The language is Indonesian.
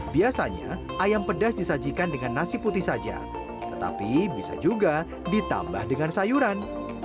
biasanya ayam pedas disajikan dengan nasi putih saja tetapi bisa juga ditambah dengan sayuran